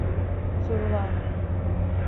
Sorular…